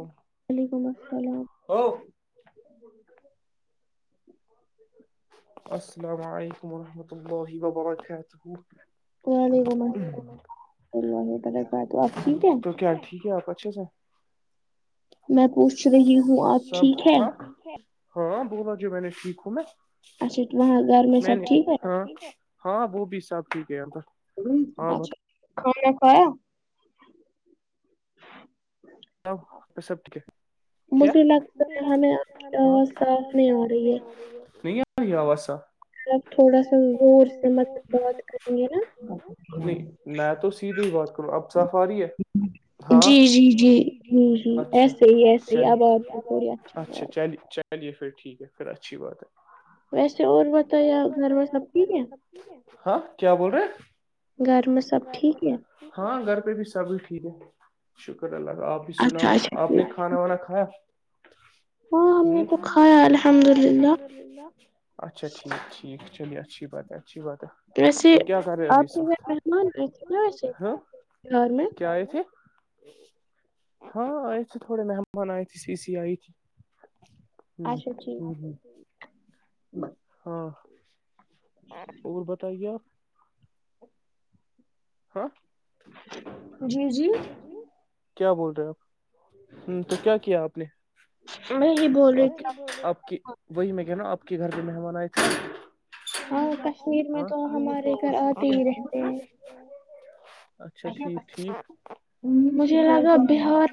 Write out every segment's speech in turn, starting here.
و ععلیکم السلام [inaudible] السلام علیکم ورحمۃ اللہ وبرکاتہ تو کیا ٹھیک ہے آپ اچھے سے میں پوچھ رہی ہوں آب ٹھیک ہے ہاں ب ب جے میں نے ٹھیک ہوں میں اچھا وہاں گھر میں سب ٹھیک ہے ہاں ہاں وہ بھی سب ٹھیک ہے پر ہاں ب کؤناا کوا س پسبٹ کے کیا [unintelligible] ہووسا [unintelligible] آب تھوڑا سا زور سے مطلب بات کریں گے نا میں تو سیدھھی ہی بات کروں اب صاف آ رہی ہے ہاں جی ہ ج ایسے ہی ایسے ہی اب آپ تھوڑی اچھی بات چلیے پھر ٹھیک ہے پھر اچھی بات ہے ے اور گھر میں سب ہاں کیا بول رہے گھر میں سب ٹھیک ہے ہاں گھر پہ بھی سب بھی ٹھیک ہے ش اللہ آپ ہی سنا آپ نے کھانا وانا کھایا آامنے کو کھایا الحمد للہ اچھا ٹھیک ٹھیک چلیے اچھی بات ہے اچھی بات ہے تو کیا کر رہے ابھی سخت ہاں کیا آئے تھے ہاں آئے تھے تھوڑے مہمان آئے تھے سی سی آئی تھی اچھا ٹھیک ہاں اور بتائیے آپ [unintelligible] ہاں جی جی کیا بول رہے آپ ہ تو کیا کیا آپ نے آپ کی آپ کی [unintelligible] وہی میں کہ نا آپ کے گھر پہ مہمان آئے تھے ہاں کشمیر میں تو ہمارے گھر آتے ہی رہتے ہیں اچھا ٹھیک ٹھیک [unintelligible] مجھے لگا بہار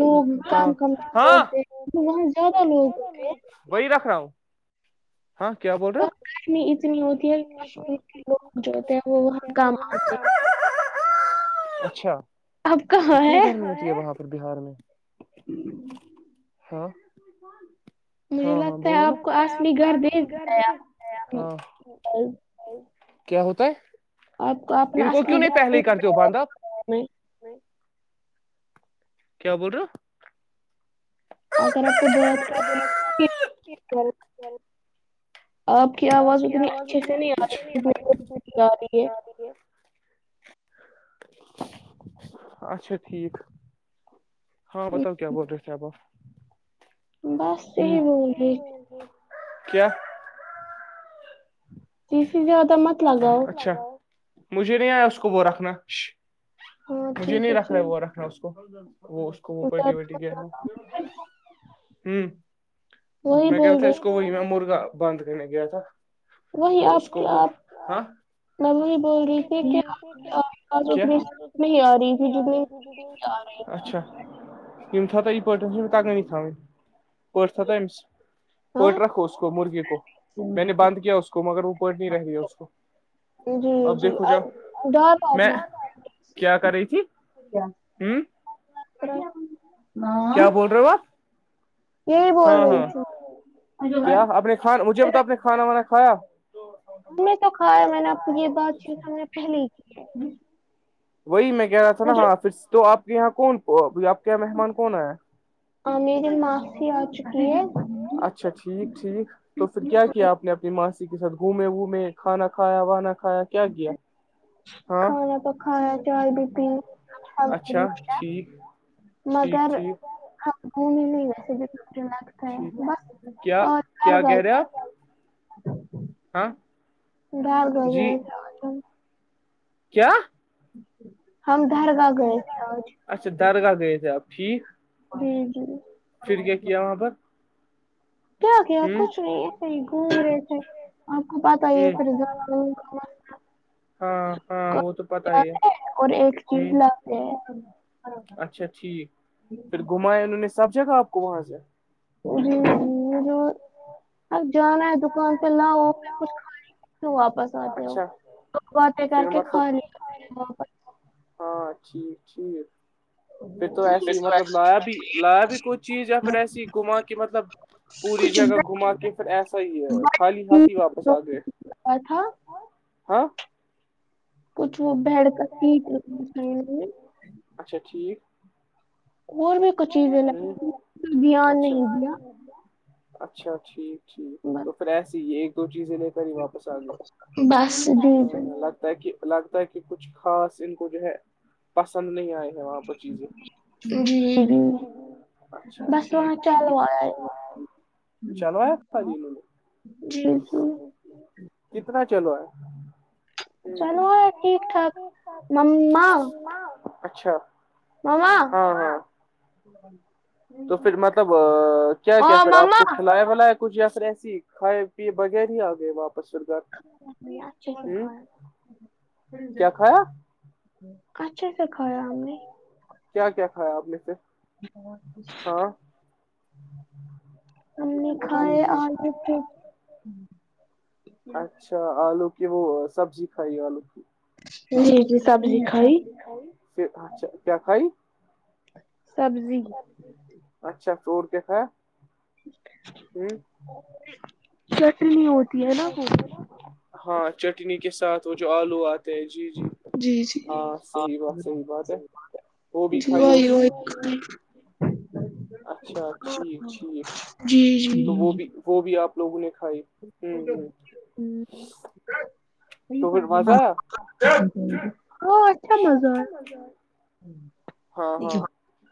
لوگ کام کرنے کوتے [unintelligible] تو وہاں زیادہ لوگ ہوتے [unintelligible] وہی رکھ رہا ہوں ہاں کیا بول رہا [unintelligible] کشمی اتنی ہوتی ہے کہ کشمیر کے لوگ جو ہوتے ہیں وہ وہاں کام آتے ہیں اچھا اتنی گرمی ہوتی ہے وہاں پر بہار میں [inaudible] ہاں [unintelligible] ہاں ہاں بوتا آپ کو گھر داں [unintelligible] کیا ہوتا ہے ان کو کیوں نہیں پہلے ہی کرتے ہو باندو میں کیا بول رہا ہو [unintelligible] اگر آپ کو دد کا اپ [unintelligible] کیا آواز اتنی اچھے سے نہیں آ رہی آ رہی ہے [unintelligible] اچھا ٹھیک [unintelligible] ہاں بتاؤ کیا بول رہے تھے آپو بس [unintelligible] ہ کیا تیسیی جو ہوتا مت لگاؤ مجھے نہیں آیا اس کو وہ رکھنا مجھے نہیں رکھنا ہے وہ رکھنا اس کو وہ اس کو وہ پٹی وٹی کیا ہے میں کہہ رہا تھا اس کو وہی میں مرغا بند کرنے گیا تھا وہی آپ کیا آپ [unintelligible] میں وہی بول رہی تھی کہ آواز اتنی نہیں آ رہی تھی جتنی [unintelligible] اچھا [unintelligible] ہم تھ تھاؤ توو یہ پورٹ تگ تؤن پوٹ تھؤ توومس [unintelligible] پٹ رکھو اس کو مرغے کو میں نے بند کیا اس کو مگر وہ پٹ نہیں رہ رہی ہے اس کو جی جی ا ڈر بپم کیا کر رہی تھی ہوں [unintelligible] کیا بول رہے ہو آپ [unintelligible] ہاں ہاں کیا اپنے کھان مجھے ب تو آپ نے کھانا وانا کھایا [unintelligible] ہم نے تو کا ہے میں نے یہ بات چیز ہم نے پہلے ہی کی ہے [unintelligible] وہی میں کہہ رہا تھا نا ہاں پھر تو آپ کے یہاں کون آپ کے یہاں مہمان کون آ [unintelligible] ہاں میری معافی آ چکی ہے [unintelligible] اچھا ٹھیک ٹھیک [unintelligible] تو پھر کیا کیا آپ نے اپنی ماسی کے ساتھ گھومے وومے کھانا کھایا وانا کھایا [unintelligible] کھانا تو کانا چائے پیتیی [unintelligible] مگر [unintelligible] ہاں پ نہیں گس ج [unintelligible] کیا کیا گ رہے آپ ہاں [unintelligible] ڈال [unintelligible] کیا [unintelligible] ہم دارگاہ گس رہ اچا درگاہ گی ج آپ ٹھیک جی جی پھر کیا کیا وہاں پر کیا کیا کچھ نہیں صحی گھوم رہے تھے آپ کو پت ہی ہے پھر ہاں ہاں وہ تو پتا ہی ہے اور ایک چیز لگے ہیں اچھا ٹھیک پھر گھمائے انہوں نے سب جگہ آپ کو وہاں سے جی جو اب جانا ہے دکان پہ لاؤ پ کچھ ت واپس آتے ہو وات کر کے کھا ہ ٹھیک ٹھیک پھر تو ایسسی ہی مطلب لایا بھی لایا بھی کوئی چیز یا پھر ایسی گھما کے مطلب پوری جگہ گھما کے پھر ایسا ہی ہے خالی ہاتھھی واپس آ گئے ہاں کچھ وہ بیڑ کر کچ لنا چاہی اچھا ٹھیک اور بھی کچھ چیزیں ل نہیں گیا اچھا ٹھیک ٹھیک ب ایسی ایک دو چیزیں لے کر ہی واپس آ گیا ت کہ لگتا ہے کہ کچھ خاص ان کو جو ہے پسند نہیں آئے ہیں وہاں پر چیزیں جی بس وہاں چالو آ چلوایا تھا خی نے جی جی کتنا چلو ہے اچھا ہاں تو پھر مطلب کیا کیا پھر آپ کو کھلایا بلا ہے کچھ یسر ایسی ہی کھائے پیئے بغیر ہی آ گئے واپس سر گار [unintelligible] اچھا اچھا کر آ نہیں [unintelligible] ہوں ہم نے کھائے آ پ اچھا آلو کی وہ سبزی کھائی آلو کی جی اچھا کیا کھائی سبزی اچھا تو اور کیا ہے ہ چٹنی ہوتی ہے نا وہ ہاں چٹنی کے ساتھ وہ جو آلو آتے ہیں جی جی ہاں صحی بات صحیح بات ہے وہ بھی کھائی ہوگی اچھا ٹھیک ٹھیک تو وہ بھی وہ بھی آپ لوگوں نے کھائی ہوں ہوں ہوں ی ہاں اچھا مزہ ہے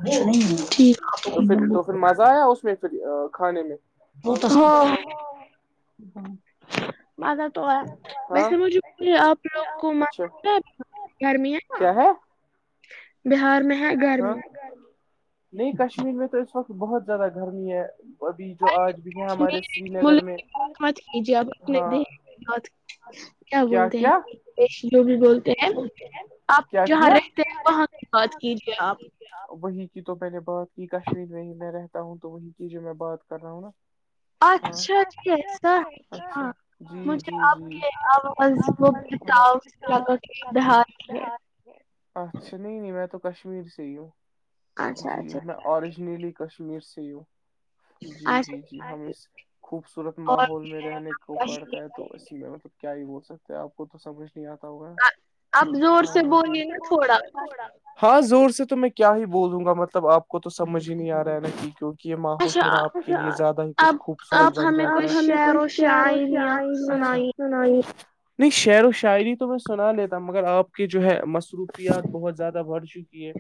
نہیں ٹھیک ب مزایا اس میں پھر کھانے میں ہاں مذہ تو ایا ویسے مجھ کہ آپ لوگ کو م گرمی ہے نا بہار ہاں نہیں کشمیر میں تو اس وقت بہت زیادہ گرمی ہے ابھی جو آج بھی ہے ہمارے سری نگر میں ہاں کیا بولتے ہیں جو بھی بولتے ہیں آپ جہاں رہتے ہیں وہاں بات کیجے آپ وہیں کی تو میں نے بات کی کشمیر میں ہی میں رہتا ہوں تو وہیں کی جو میں بات کر رہا ہوں نا اچھا جیسا ہاں مجھے اب کے [inaudible] لگا کے بہار کی ہے اچھا نہیں نہیں میں تو کشمیر سے ہی ہوں جی میں اوریجنیلی کشمیر سے یوں جی جی جی ہم اس خوبصورت ماحول میں رہنے کو پڑتا ہے تو اس میں مطلب کیا یہ بول سکتے ہے آپ کو تو سمجھ نہیں آتا ہوگا یاں جی زور سے بولیے نا تھوڑا ہاں زور سے تو میں کیا ہی بول دوں گا مطلب آپ کو تو سمجھ ہی نہیں آ رہا ہے ن کیونک یہ ماحول تھوڑا آپ کے لیے زیادہ ہی کچھ خوبص بنجاتا ہیں اپ ہمیں کوئی شیر و شایر نہیں شعر و شاعری تو میں سنا لیتا ہوں مگر آپ کے جو ہے مصروف بہت زیادہ بڑھ چکی ہے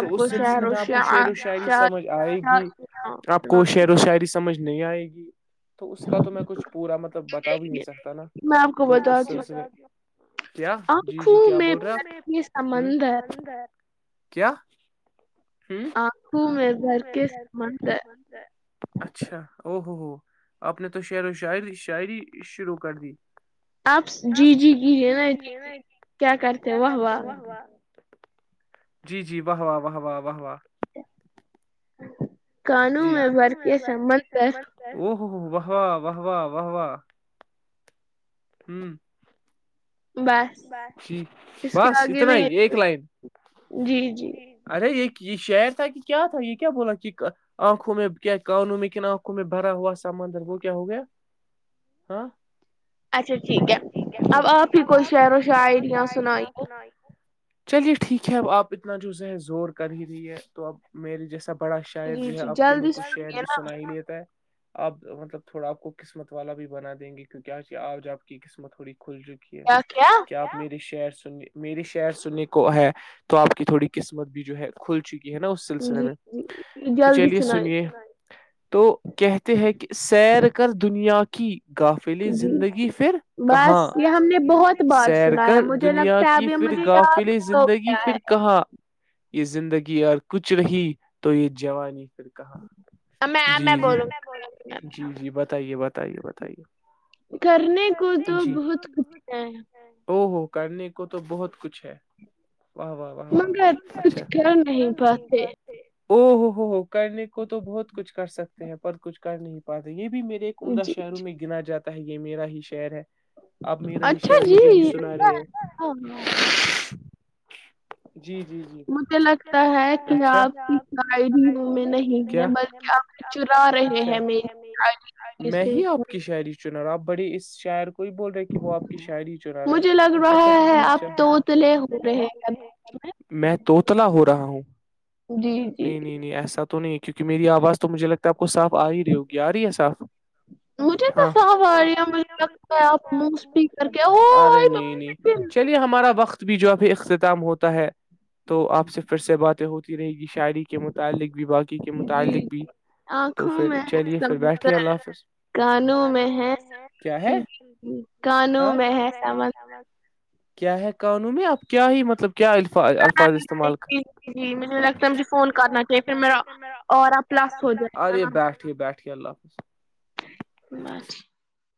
تو اس سلسلے میں آپ کو شعر و شاعری سمجھ آئے گی آپ کو وہ شعر و شاعری سے سمجھ نہیں آئے گی تو اس کا تو میں کچھ پورا مطلب بتا بھی نہیں سکتا نا تو اس سلسلے کیا جی جی کیا بول رہے آپ ہ کیا آ ہو میر در کے س مند ہے اچھا او ہوو ہو اپ نے تو شعر و شاعری شاعری شروع کر دی آپ جی جی کیی ہے نا جی ج کیا کرتے واہ واہ جی جی واہ واہ واہ واہ واہ واہ قانون ہے بر کے سبھ ہے او ہوو ہو واہ واہ واہ واہ واہ واہ ہوں جی بس اتنا ہی ایک لائن ارے یہ یہ شہر تھا کہ کیا تھا یہ کیا بولا کہ آنکھوں میں کیا قانو میں کن آنکھوں میں بھرا ہوا سمندر وہ کیا ہو گیا ہاں اچھا ٹھیک ہے اب آپ ہی کوئی شعر و شاعریااں سنائیے چلیے ٹھیک ہے اب آپ اتنا جو ز ہے زور کر ہی رہیے تو اب میرے جیسا بڑا شاعر جو ہے آپ کے لیے کچھ شہر بھی سنا ہی لیتا ہے آپ مطلب تھوڑا آپ کو قسمت والا بھی بنا دیں گے کیوں کیا آج آپ کی قسمت تھوڑی کھل جکی کیا آپ میری شر سن میری شر سننے کو ہے تو آپ کی تھوڑی قسمت بھی جو ہے کھل چکی ہے نا اس سے سلسلے میں تو چلیے سنیے تو کہتے ہیں کہ سیر کر دنیا کے کی گافلی زندگی پھر کہاں سیر کر دنیا کی پھر قافل زندگی پھر کب کہاں یہ زندگی اور کچھ رہی تو یہ جوانی پھر کہاں جی جی جی جی بتائیے بتائیے بتائیے کرنے کو تو بہت کچھ کیا ہے او ہو کرنے کو تو بہت کچھ ہے واہ واہ واہ واہ او ہو ہو ہو کرنے کو تو بہت کچھ کر سکتے ہیں پر کچھ کر نہیں پا رہے یہ بھی میرے عمدہ شہروں میں گنا جاتا ہے یہ میرا ہی شہر ہے آپ میرا ہی شہل مجھے ہی سنا رہے ہے جی جی جی مجھے لگتا ہے اچھا کیا پر کیا اپ چرا رہے ہیں میری میں ہی آپ کی شاعری چرا رہا ہوں آپ بڑے اس شایار کو ہی بول رہے ہیں کہ وہ آپ مجھے لگ رہا ہے اپ تو تلے ہو رہے ہیں میں توتلا ہو رہا ہوں جی جی نہیں ایسا تو نہیں ہے کیونکہ میری آواز تو مجھے لگتا ہے آپ کو صاف آ ہی رہی ہوگی آ رہی ہے صاف مجھے تو صاف آ رہی ہے مجھے لگتا آپ مہس پی کر کے او ہمارا وقت بھی جو ابھی اختتام ہوتا ہے تو آپ سے پھر سے باتیں ہوتی ہوتی رہے گی شاعری کے متعلق بھی باقی کے متعلق بھی تو پھر چلیے پھر بیٹھیے اللہ حافظ کانوں میں ہےانوں میں ہےم کیا ہے قانون میں اب کیا ہی مطلب کیا الفاظ الفاظ استعمال کر ف ارے بیٹھیے بیٹھیے اللہ حافظ